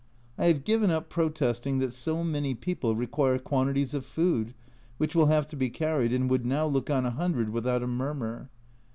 I have given up protesting that so many people require quantities of food, which will have to be carried, and would now look on 100 without a murmur.